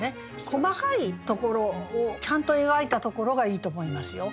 細かいところをちゃんと描いたところがいいと思いますよ。